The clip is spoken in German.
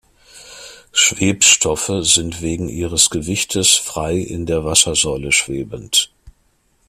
Schwebstoffe sind wegen ihres Gewichtes frei in der Wassersäule schwebend.